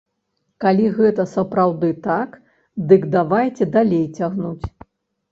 Калі гэта сапраўды так, дык давайце далей цягнуць.